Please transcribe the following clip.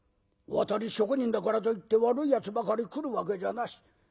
渡り職人だからといって悪いやつばかり来るわけじゃなし。